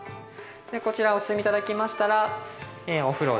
こちらお進みいただきましたら。